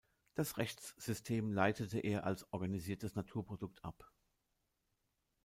Das Rechtssystem leitete er als „organisiertes Naturprodukt“ ab.